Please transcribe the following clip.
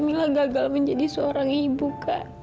mila gagal menjadi seorang ibu kak